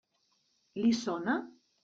Li sona?